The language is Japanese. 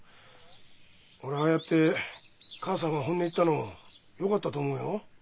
俺ああやって母さんが本音言ったのよかったと思うよ。